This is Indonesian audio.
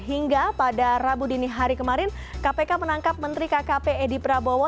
hingga pada rabu dini hari kemarin kpk menangkap menteri kkp edi prabowo